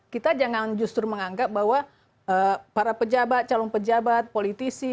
kita jangan justru menganggap bahwa para pejabat calon pejabat politisi